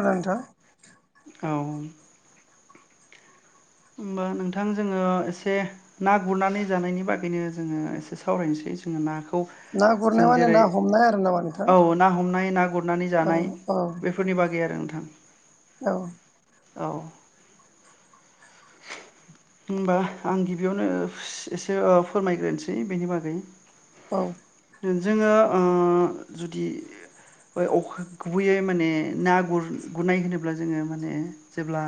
ओ नोथां औ। होमबा नोंथां जोङो एसे ना गुरनानै जानायनि बागैनो जोङो एसे सावरायनोसै जोङो नाखौ खौ ना गुरनाय जों माने जेरै ना हमनाय आरो नामा नोंथां औ ना हमनाय ना गुरनानै औ जानाय औ बेफोरनि बागै आरो नोंथां। औ। औ होमबा आं गिबियावनो एसे फोरमायग्रोनोसै बेनि बागै। औ जोङो जुदि गुबैयै माने ना ग गुरनाय होनोब्ला जोङो माने जेब्ला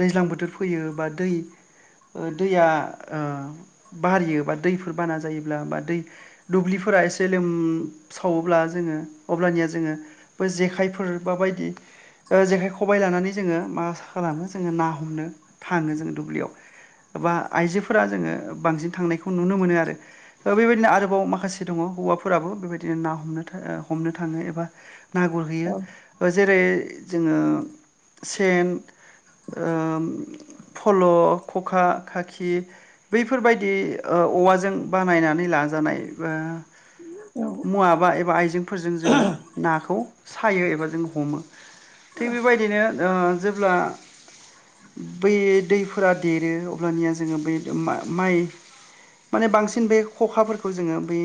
दैज्लां बोथोर फैयो बा दै दैया ओ बारियो बा दैफोर बाना जायोब्ला बा दै दुब्लिफोरा एसे लोम सावोब्ला जोङो अब्लानिया जोङो जेखायफोर बा बायदि जेखाइ खबाइ लानानै जोङो मा खालामो जोङो ना हमनो थाङो जों। दुब्लियाव बा आइजोफोरा जोङो बांसिन थांनायखौ नुनो मोनो आरो। दा बेबायदिनो आरोबाव माखासे दङ हौवाफोराबो बेबायदिनो ना हमनो हमनो थाङो एबा ना गुरहैयो औ बा जेरै जोङो सेन ओम फल, ' खखा, खाखि, बैफोरबायदि ओ औवाजों बानायनानै लाजानाय बा औ मुवाबा एबा आइजेंफोरजों जोङो नाखौ सायो एबा जों हमो। थिग बेबायदिनो ओ जेब्ला बै दैफोरा देरो अब्लानिया जोङो बे मा-माइ माने बांसिन बे खखाफोरखौ जोङो बे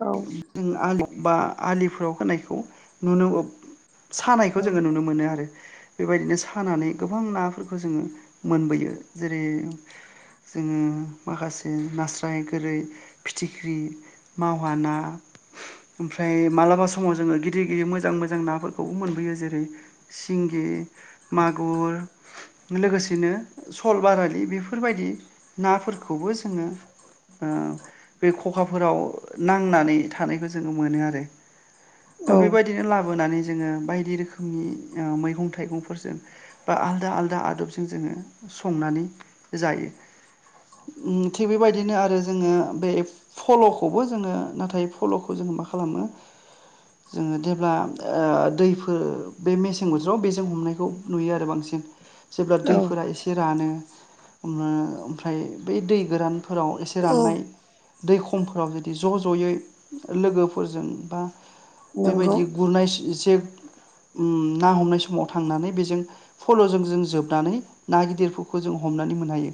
औ जों आलि बा आलिफोराव होनायखौ नुनो सानायखौ जोङो नुनो मोनो आरो। बेबायदिनो सानानै गोबां नाफोरखौ जोङो मोनबोयो जेरै जोङो माखासे नास्राय, गोरै, फिथिख्रि, मावहाना ओमफ्राय मालाबा समाव जोङो गिदिर गिदिर मोजां मोजां नाफोरखौबो मोनबोयो जेरै सिंगि, मागुर लोगोसेनो सल, बारालि बेफोरबायदि नाफोरखौबो जोङो ओ बे खखाफोराव नांनानै थानायखौ जोङो मोनो आरो। औ बेबायदि बिदिनो लाबोनानै जोङो बायदि रोखोमनि मैगं थाइगंफोरजों बा आलदा आलदा आदबजों जोङो संनानै जायो। थिग बेबायदिनो आरो जोङो बे फल'खौबो जोङो नाथाय फल'खौ जोङो मा खालामो जोङो जेब्ला ओ दैफोर बे मेसें बोथोराव बेजों हमनायखौ नुयो आरो बांसिन। जेब्ला औ दैफोरा एसे रानो ओमफ्राय बै दै गोरानफोराव ए से औ राननाय दै खमफोराव जुदि ज' ज'यै लोगोफोरजों बा नंगौ बेबायदि गुरनाय जे ना हमनाय समाव थांनानै बेजों फल'जों जों जोबनानै ना गिदिरफोरखौ जों हमनानै मोननो हायो।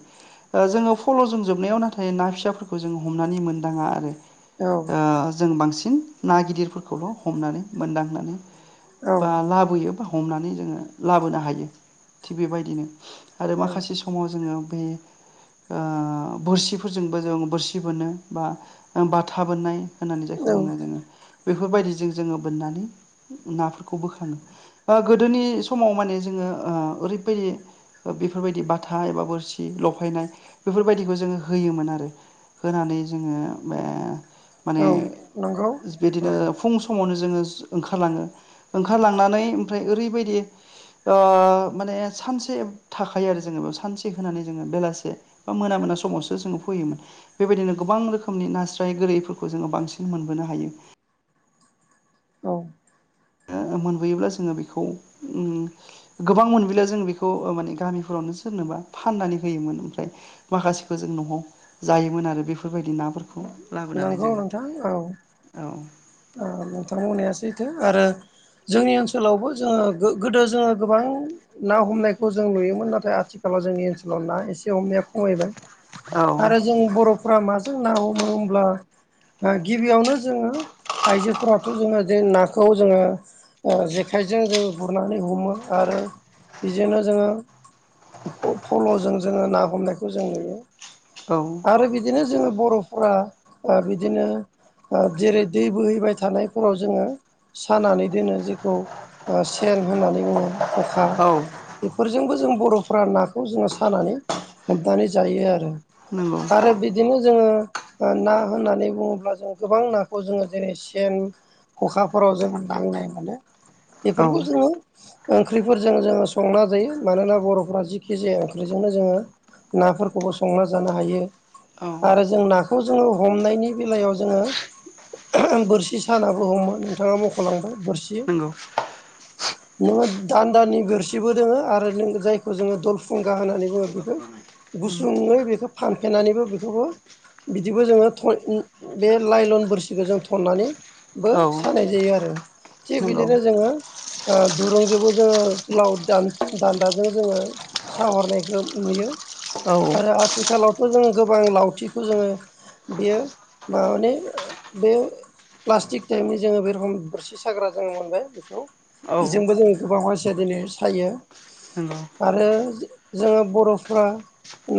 ओ जोङो फल'जोंजोबनायाव नाथाय ना फिसाफोरखौ जोङ हमनानै मोनदाङा आरो। औ। ओ जों बांसिन ना गिदिरफोरखौल' हमनानै मोनदांनानै औ बा लाब बोयो बा हमनानै जोङो लाबोनो हायो। थिग बेबायदिनो आरो माखासे समाव जोङो उ ओ बोरसिफोरजोंबो जों बोरसि बोनो बा बाथा बोननाय होननानै औ जायखौ बुङो जोङो बेफोरबायदिजों जोङो बोननानै नाफोरखौ बोखाङो ओ गोदोनि समाव माने जोङो ओ ओरैबायदि बेफोरबायदि बाथा एबा बोरसि लफायनाय बेफोरबायदिखौ जोङो होयोमोन आरो होनानै जोङो बे माने औ नंगौ औ बिदिनो फुं समावनो जोङो ओंखारलाङो ओंखारलांनानै ओमफ्राय ओरैबायदि ओ माने सानसे थाखायो आरो जोङो बेयाव सानसे होनानै जोङो बेलासे बा मोना मोना समावसो जोङो फैयोमोन। बेबायदिनो गोबां रोखोमनि नास्राय गोरैफोर खौ जोङो बांसिन मोनबोनो हायो। औ ओ मोनबोयोब्ला जोङो बेखौ उम गोबां मोनबोला जों बेखौ ओ माने गामिफोरावनो सोरनोबा फाननानै होयोमोन ओमफ्राय माखासेखौ जों न'आव जायोमोन आरो बेफोरबायदि नाफोरखौ। लाबोनानै नोंगौ जोङो नोंथां औ औ औ नोंथां बुंनाया सैथो आरो जोंनि ओनसोलावबो जोङो गो-गोदो जोङो गोबां ना हमनायखौ जों नुयोमोन नाथाय आथिखालाव जोंनि ओनसोलाव ना एसे हमनाया खमायबाय औ आरो जों बर'फ्रा माजों ना हमो हम अब्ला गिबियावनो जोङो आइजोफोराथ' जोङो जे नाखौ जोङो जेखाइजों जोङो गुरनानै हमो आरो बेजोंनो जोङो फल'जों जोङो ना हमनायखौ जों नुयो औ। आरो बिदिनो जोङो बर'फोरा ओ बिदिनो ओ जेरै दै बोहैबाय थानायफोराव जोङो सानानै दोनो जेखौ ओ सेन होननानै बुङो खखा बेफोरजोंबो जों बर'फोरा नाखौ जोङो सानानै हाबनानै जायो आरो नंगौ आरो बिदिनो जोङो ओ ना होननानै बुङोब्ला जों गोबां नाखौ जोङो जेरै सेन खखाफोराव जोङो नांनाय मोनो। औ बेफोरखौ जोङो ओंख्रिफोरजों जोङो संना जायो मानोना बर'फोरा जिखि जाया ओंख्रिजोंनो जोङो नाफोरखौबो संना जानो हायो औ आरो जों नाखौ खौ जोङो हमनायनि बेलायाव जोङो बोरसि सानाबो हमो नोंथाङा मख'लांबाय बोरसि नंगौ। नोङो दान्दानि बोरसिबो दोङो आरो जायखौ जोङो दलफुंगा होननानै बुङो बेखौ गुसुङै बेखौ फानफेनानैबो बेखौबो बिदिबो जोङो थन बे लाइलन बोरसिखौ जों थननानै बो औ सानाय जायो आरो। थिग नंगौ बिदिनो जोङो ओ दुरुंजोंबो जोङो लाव दान्दाजों जोङो साहरनायखौ नुयो औ नंगौ औ आरो आथिखालावथ' जों गोबां लावथिखौ जोङो बेयो मानानि बेयो प्लास्टिक टाइपनि जोङो बे रखम बोरसि साग्रा जोङो मोनबाय बेखौ औ बेजोंबो जों गोबां मानसिया दिनै सायो नंगौ नंगौ आरो जों बर'फ्रा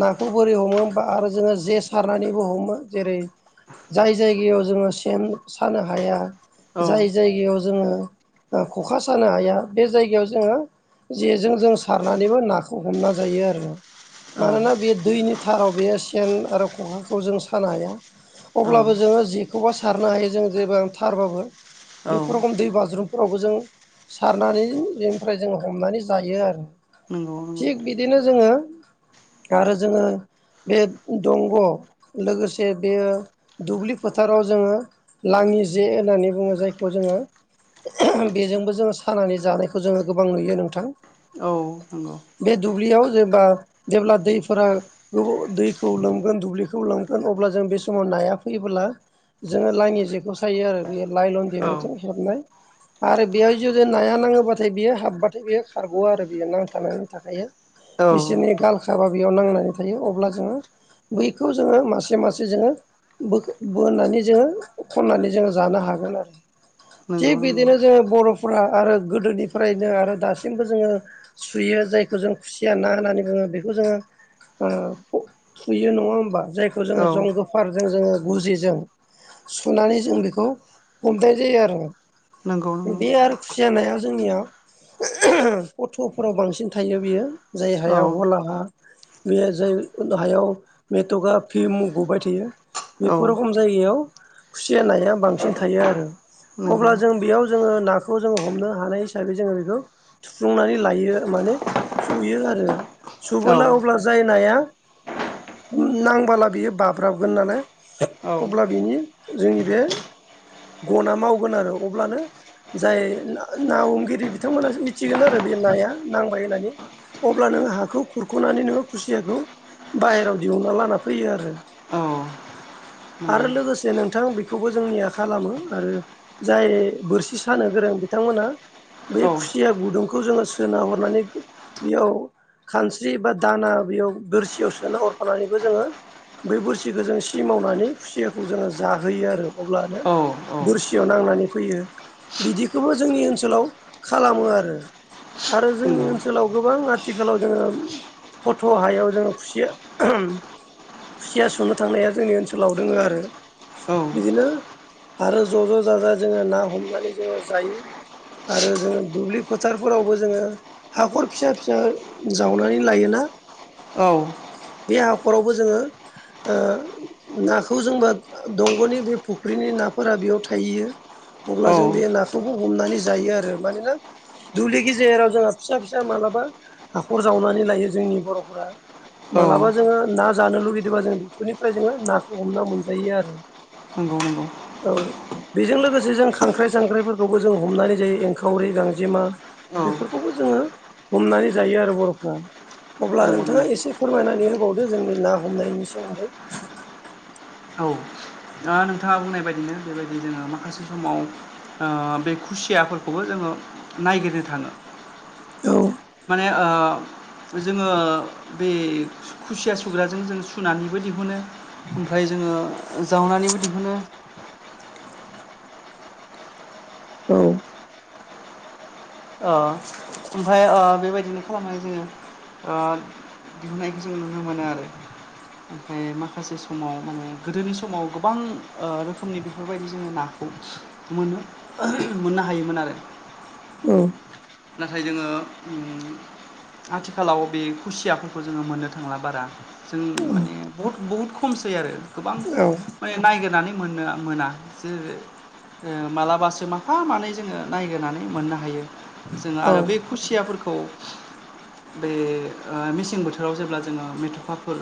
नाखौ बोरै हमो होमबा आरो जोङो जे सारनानैबो हमो जेरै जाय जायगायाव जोङो सेन सानो हाया जाय जायगायाव जोङो ओ ख'खा सानो हाया बे जायगायाव जोङो जेजों जों सारनानैबो नाखौ हमना जायो आरो। मानोना बेयो दैनि धाराव बेयो सेन आरो खखाखो खौ जों सानो हाया। अब्लाबो जोङो जेखौबा सारनो हायो जों जेबो धारबाबो बेफोर रखम दै बाजरुम फोरावबो जों सारनानै बेनिफ्राय जों हमनानै जायो आरो थिग बिदिनो जोङो आरो जोङो बे दंग' लोगोसे बेयो दुब्लि फोथाराव जोङो लाङि जे होननानै बुङो जायखौ जोङो बेजोंबो जोङो सानानै जानायखौ जोङो गोबां नुयो नोंथां। औ नंगौ। बे दुब्लियाव जेनबा जेब्ला दैफोरा गोबाव दैखौ लोमगोन दुब्लिखौ लोमगोन अब्ला जों बे समाव नाया फैबोला जोङो लाइनि जेखौ सायो आरो बे लाइलन औ दिरुंजों हेबनाय आरो बेहाय जुदि नाया नाङोबाथाय बियो हाबबाथाय बेयो खारग'आ आरो बेयो नांथानानै थाखायो। बिसोरनि गालखाबा बेयाव नांनानै थायो अब्ला जोङो बेखौ जोङो मासे मासे जोङो बो बोननानै जोङो खन्नानै जोङो जानो हागोन आरो। नंगौ थिग नंगौ बिदिनो जोङो बर'फ्रा आरो गोदोनिफ्रायनो आरो दासिमबो जोङो सुयो जायखौ जों खुसिया ना होननानै बुङो बेखौ जोङो फुयो नङा होमबा जायखौ जोङो औ जं गोफारजों जोङो गुजिजों सुनानै जों बेखौ हमनाय जायो आरो, नंगौ नंगौ बे आरो खुसि जानाया जोंनियाव फथ'फोराव बांसिन थायो बियो जाय औ हाया हलाहा बेयो जों हायाव मेटका पिम गबाय थायो औ बेफोर रखोम जायगायाव खुसि जानायनाया बांसिन थायो आरो। नंगौ अब्ला जों बेयाव जोङो नाखौ जोङो हमनो हानाय हिसाबै जोङो बेखौ सुफुंनानै लायो माने सुयो आरो औ सुबुबोला अब्ला जाय नाया नांबोला बियो बाब्राबगोन नालाय औ अब्ला बिनि जोंनि बे गना मावगोन आरो अब्लानो जाय ना हमगिरि बिथांमोनासो मिथिगोन आरो बे नाया नांबाय होननानै । अब्ला नोङो हाखौ खुरख'नानै नोङो खुसियाखौ बाहहेरायाव दिहुनना लाना फैयो आरो। औ नंगौ आरो लोगोसे नोंथां बेखौबो जोंनिया खालामो आरो। जाय बोरसि सानो गोरों बिथांमोना बै औ खुसिया गुदुंखौ जोङो सोना हरनानै बेयाव खानस्रि बा दाना बेयाव बोरसियाव सोनो हरफानानैबो जोङो बै बोरसिखौ जों सि मावनानै खुसियाखौ जोङो जाहोयो आरो अब्लानो औ औ बोरसियाव नांनानै फैयो बिदिखौबो जोंनि ओनसोलाव खालामो आरो। आरो जोंनि नंगौ ओनसोलाव गोबां आथिखालाव जोङो फट' हायाव जोङो खुसेया खुसिया सुनो थांनाया जोंनि ओनसोलाव दोङो आरो। औ बिदिनो आरो ज' ज' जाजा जोङो ना हमनानै जोङो जायो। आरो जोङो दुब्लि फोथारफोरावबो जोङो हाखर फिसा फिसा जावनानै लायोना । औ। बे हााखरावबो जोङो ओ नाखौ जोंबा दंग'नि बे फुख्रिनि नाफोरा बेयाव थाहैयो। औ अब्ला जों बे नाखौामखौ हमनानै जायो आरो, मानोना दुब्लि गेजेराव जोंहा फिसा फिसा मालाबा हाखर जावनानै लायो जोंनि बर'फोरा । मालाबा जोङो ना जानो लुगैदोंबा जों बेफोरनिफ्राय जोङो नाखौ हमना मोनजायो आरो। नंगौ नंगौ। औ बेजों लोगोसे जों खांख्राइ सांख्राइफोरखौबो जों हमनानै जायो एनखावरि गांजेमा औ बेफोरखौबो जोङो हमनानै जायो आरो बर'फ्रा। अब्ला नंगौ नोंथाङा नंगौ एसे फोरमायनानै होबावदो जोंनि ना हमनायनि सोमोन्दै । औ। द नोंथाङा बुंनाय बायदिनो बेबायदि जोङो माखासे समाव बे खुसियाफोरखौबो जोङो नायगिरनो थाङो। औ। माने ओ जोङो बे खुसिया सुग्राजों जों सुनानैबो दिहुनो। ओमफ्राय जोङो जावनानैबो दिहुनो । औ। ओमफफ्राय बेबायदिनो खालामनाय जोङो दिहुनन्नायखौ जों नुनो मोनो आरो। ओमफफ्राय माखासे समाव माने गोदोनि समाव गोबां रोखोमनि बेफोरबायदि जोङो ना खौ मोनो मोननो हायोमोन आरो। औ। नाथाय जोङो आथिखालाव बे खुसियाफोरखौ जोङो मोननो थांला बारा। जों माने बहुद बहुद खमसै आरो गोबां माने नायगिरनानै मोननो मोना। मालाबासो माफा मानै जोङो नायग्रानै मोननो हायो। जोङो औ आरो बे खुसियाफोरखौ बे मेसें बोथोराव जेब्ला जोङो मेथ'खाफोर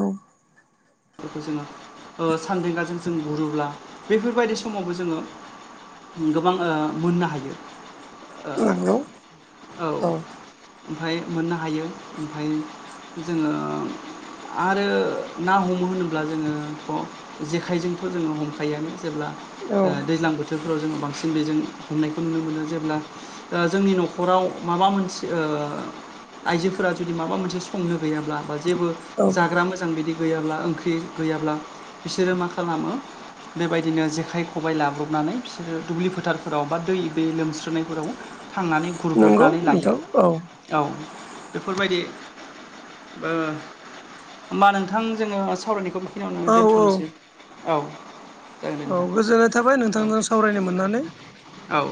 औ। फोरखौ जोङो सानद्रिगाजों जों गुरोब्ला बेफोरबायदि समावबो जोङो गोबां मोननो हायो औ नंगौ औ। ओमफ्राय मोननो हायो। ओमफ्राय जोङो आरो ना हम होनोब्ला जो जेजोंथ जो हमखायो औ दैज्लां बोथोर बोथोरफ्राव जोङो बांसिन बेजों हमनायखौ नुनो मोनो जेब्ला जोंनि न'खराव माबा मोनसे आइजोफोरा जुदि माबा मोनसे संनो गैयाब्ला बा जेबो औ जाग्रा मोजां बिदि गैयाब्ला ओंख्रि गैयाब्ला बिसोरो मा खालामो बेबायदिनो जेखाइ खबाइ लाब्रबनानै बिसोरो दुब्लि फोथारफोराव बा दै दै लोमस्रनायफोराव थांनानै नंगौ गुरब्रबनानै लायो। नोंथां औ औ बेफोरबायदि होमबा नोंथां जोङो सावरायनायखौ बेखिनियावनो औ दोन्थ'नोसै औ। जागोन दे औ नोंथां गोजोननाय थाबाय नोंथांजों सावरायनो मोननानै। औ।